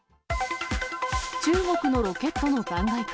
中国のロケットの残骸か。